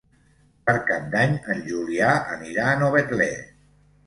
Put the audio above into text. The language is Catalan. Per Cap d'Any en Julià anirà a Novetlè.